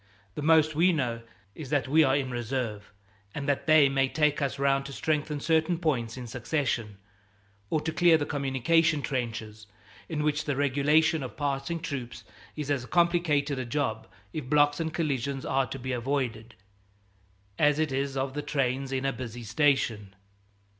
The most we know is that we are in reserve, and that they may take us round to strengthen certain points in succession, or to clear the communication trenches, in which the regulation of passing troops is as complicated a job, if blocks and collisions are to be avoided, as it is of the trains in a busy station.